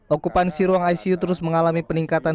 okupansi ruang icu terus mengalami peningkatan